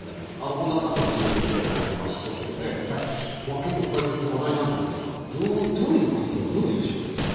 本田さんとも一緒にプレーされてましたけれども結構、解説が話題になってますがどういう方どういう印象ですか。